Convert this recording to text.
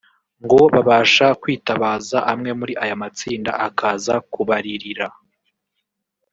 ngo babasha kwitabaza amwe muri aya matsinda akaza kubaririra